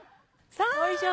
よいしょ。